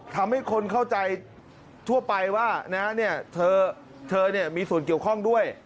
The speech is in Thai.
ทำให้คนเข้าใจทั่วไปว่าเธอมีส่วนเกี่ยวข้องด้วย